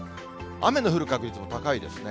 雨の降る確率も高いですね。